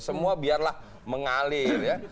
semua biarlah mengalir ya